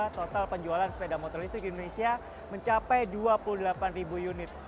total penjualan sepeda motor listrik di indonesia mencapai dua puluh delapan ribu unit